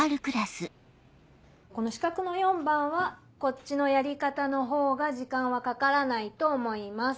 この四角の４番はこっちのやり方のほうが時間はかからないと思います。